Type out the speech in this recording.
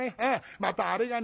またあれがね